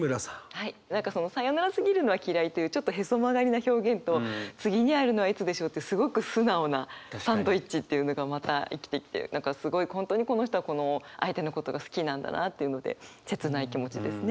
はい何かその「さようならすぎるのは、きらい」というちょっとへそ曲がりな表現と「次に会えるのは、いつでしょう」というすごく素直なサンドイッチっていうのがまた生きてきて何かすごい本当にこの人はこの相手のことが好きなんだなっていうので切ない気持ちですね。